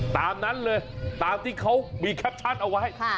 ตามนั้นเลยตามที่เขามีแคปชั่นเอาไว้